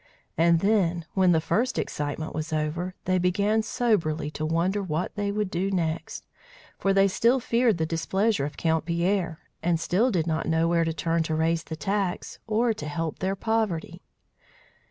And then, when the first excitement was over, they began soberly to wonder what they would do next; for they still feared the displeasure of Count Pierre, and still did not know where to turn to raise the tax, or to help their poverty.